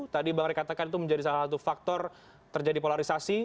tadi bang ray katakan itu menjadi salah satu faktor terjadi polarisasi